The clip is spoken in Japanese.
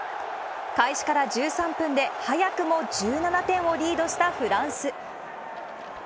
開始から１３分で早くも１７点をリードしたフランス。